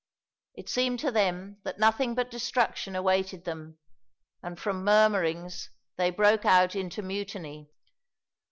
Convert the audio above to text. It seemed to them that nothing but destruction awaited them, and from murmurings they broke out into mutiny.